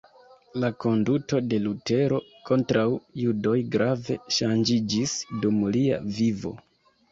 La konduto de Lutero kontraŭ judoj grave ŝanĝiĝis dum lia vivo.